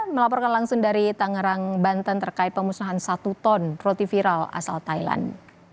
melaporkan langsung dari tangerang banten terkait pemusnahan satu ton roti viral asal thailand